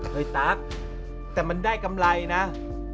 เฮ้ยตั๊กแต่มันได้กำไรนะ